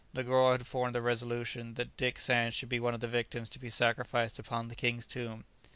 Negoro had formed the resolution that Dick Sands should be one of the victims to be sacrificed upon the king's tomb.